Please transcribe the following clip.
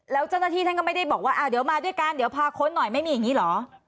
แล้วเจ้าหน้าที่ท่านก็ไม่ได้บอกว่าเดี๋ยวมาด้วยกันเดี๋ยวพาค้นหน่อยไม่มีอย่างนี้เหรอ